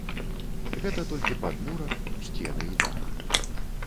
Гэта толькі падмурак, сцены і дах.